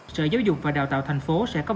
sở giáo dục và đào tạo tp hcm sẽ có vài